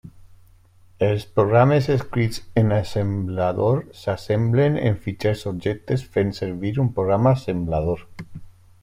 Els programes escrits en assemblador s'assemblen en fitxers objectes fent servir un programa assemblador.